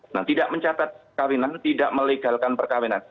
nah tidak mencatat perkahwinan tidak melegalkan perkahwinan